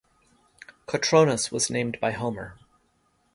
Kotronas was named by Homer.